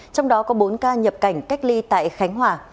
trong đó có bốn ca nhập cảnh cách ly tại khánh hòa